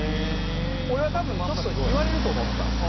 俺は多分ちょっと言われると思ったんですよ